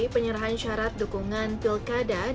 penyerahan syarat dukungan pilkada